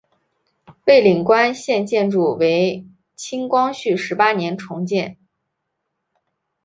蔚岭关现建筑为清光绪十八年重建。